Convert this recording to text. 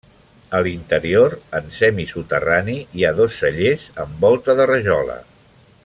A l'interior, en semisoterrani, hi ha dos cellers amb volta de rajola.